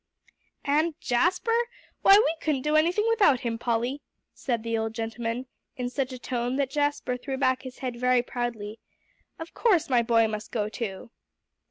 "And Jasper? Why, we couldn't do anything without him, Polly," said the old gentleman in such a tone that Jasper threw back his head very proudly; "of course my boy must go too."